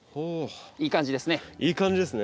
いい感じですね。